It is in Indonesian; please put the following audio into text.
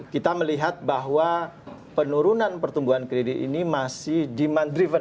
kita melihat bahwa penurunan pertumbuhan kredit ini masih demandriven